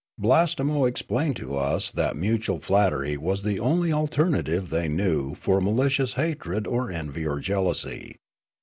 Blastemo explained to us that mutual flattery was the only alternative they knew for malicious hatred or envy or jealousy.